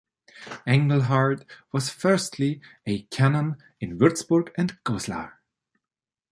Engelhard was firstly a canon in Würzburg and Goslar.